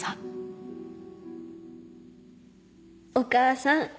お母さん。